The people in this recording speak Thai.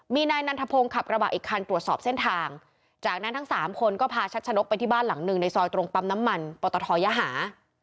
มีนายนันทพงศ์ขับกระบะอีกคันตรวจสอบเส้นทางจากนั้นทั้งสามคนก็พาชัดชะนกไปที่บ้านหลังหนึ่งในซอยตรงปั๊มน้ำมันปตทยหา